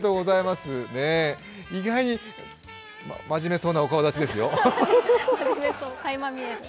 意外に真面目そうなお顔立ちですよ。